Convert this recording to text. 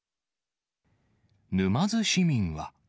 沼津市民は。